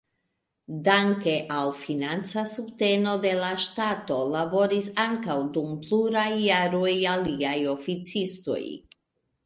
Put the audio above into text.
Danke al financa subteno de la ŝtato, laboris ankaŭ dum pluraj jaroj aliaj oficistoj.